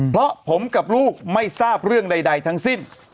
เพราะผมกับลูกไม่ทราบเรื่องใดทั้งสิ้น